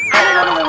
aduh aduh aduh aduh